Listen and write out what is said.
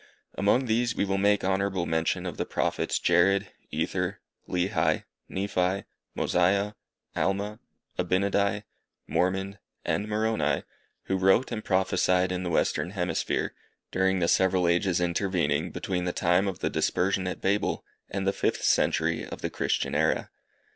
Among these we will make honourable mention of the Prophets Jared, Ether, Lehi, Nephi, Mosiah, Alma, Abinadi, Mormon, and Moroni, who wrote and prophesied in the western hemisphere, during the several ages intervening between the time of the dispersion at Babel, and the fifth century of the Christian era.